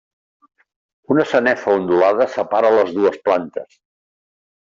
Una sanefa ondulada separa les dues plantes.